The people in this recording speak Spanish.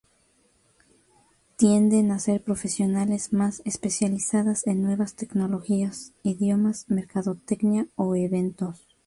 Tienden a ser profesionales más especializadas en nuevas tecnologías, idiomas, mercadotecnia o eventos.